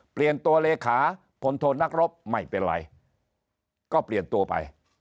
เปลี่ยนตัวเลขาพลโทนักรบไม่เป็นไรก็เปลี่ยนตัวไป